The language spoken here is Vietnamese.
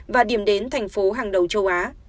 và điểm đến thành phố hàng đầu châu á